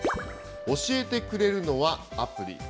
教えてくれるのはアプリ。